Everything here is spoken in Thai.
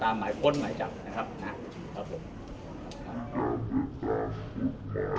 ไม่รักอายใจก็ไม่เป็นไร